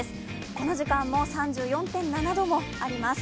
この時間も３４．７度もあります。